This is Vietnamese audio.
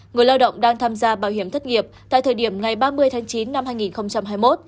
người lao động đang tham gia bảo hiểm thất nghiệp tại thời điểm ngày ba mươi tháng chín năm hai nghìn hai mươi một